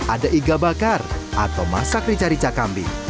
ada iga bakar atau masak rica rica kambing